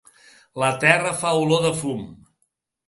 La terra fa olor de fum.